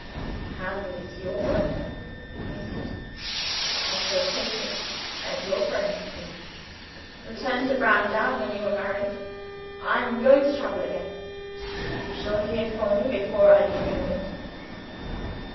"The handle is your work," he said. "I shall take it as your present to me. Return to Browndown when you are married. I am going to travel again. You shall hear from me before I leave England.